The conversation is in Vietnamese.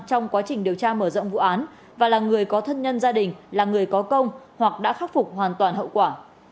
trong quá trình điều tra mở rộng vụ án và là người có thân nhân gia đình là người có công hoặc đã khắc phục hoàn toàn hậu quả